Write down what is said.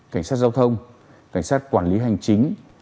cảnh sát giao thông cảnh sát quản lý hành chính